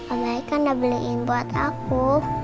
om bayi kan udah beliin buat aku